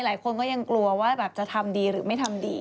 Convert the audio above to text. หลายคนก็ยังกลัวว่าแบบจะทำดีหรือไม่ทำดี